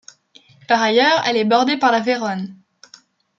Par ailleurs, elle est bordée par la Véronne.